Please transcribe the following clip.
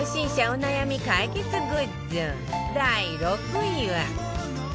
お悩み解決グッズ第６位は